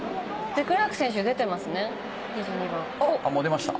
デクラークが入りました。